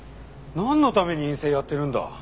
なんのために院生やってるんだ。